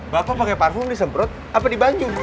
bapak pakai parfum disemprot apa dibanjung